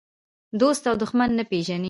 دوست او دښمن نه پېژني.